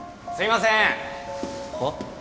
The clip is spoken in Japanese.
はっ？